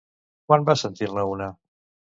Quan va sentir-ne una?